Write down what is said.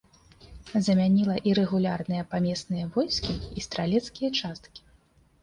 Замяніла ірэгулярныя памесныя войскі і стралецкія часткі.